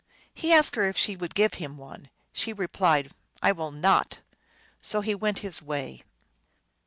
He asked her if she would give him one. She replied, " I will not." So he went his way.